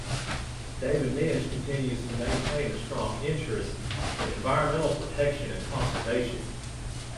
David Minge continues to maintain a strong interest in environmental protection and conservation.